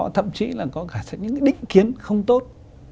thậm chí là có cả những cái đích kiến không tốt